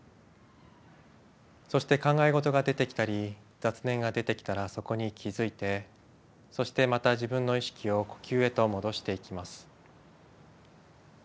そして考え事が出てきたり雑念が出てきたらそこに気づいてそしてまた自分の意識を呼吸へと戻していきます。